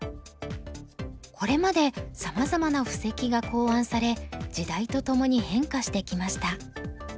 これまでさまざまな布石が考案され時代とともに変化してきました。